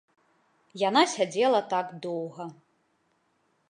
Яна сядзела так доўга.